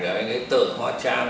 anh ấy tự hóa trang